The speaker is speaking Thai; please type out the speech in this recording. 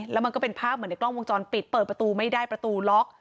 แล้วมันก็เป็นภาพเหมือนในกล้องวงจรปิดเปิดประตูไม่ได้ประตูล็อก